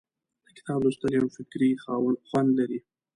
د کتاب لوستل یو فکري خوند لري.